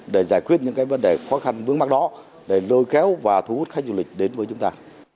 để giải quyết những vấn đề khó khăn vướng mắt đó để lôi kéo và thu hút khách du lịch đến với chúng ta